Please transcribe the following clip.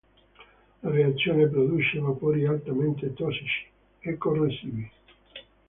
La reazione produce vapori altamente tossici e corrosivi.